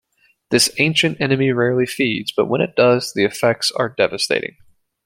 This Ancient Enemy rarely feeds, but when it does, the effects are devastating.